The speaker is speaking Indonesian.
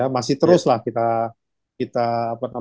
masih terus lah kita